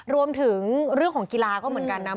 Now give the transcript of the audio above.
รวมถึงเรื่องของกีฬาก็เหมือนกันนะ